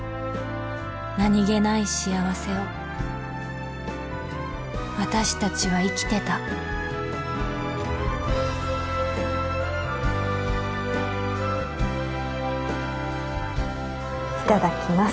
何気ない幸せを私たちは生きてたいただきます